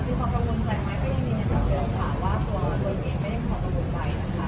มีความกังวลใจไหมไม่ได้มีในจังหวังค่ะว่าตัวตัวเองไม่ได้มีความกังวลใจนะคะ